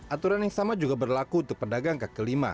aturan yang sama juga berlaku untuk perdagang ke lima